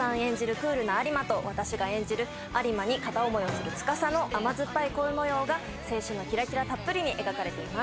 クールな有馬と、私が演じる有馬に片思いをするつかさの甘酸っぱい恋模様が青春のキラキラたっぷりに描かれています。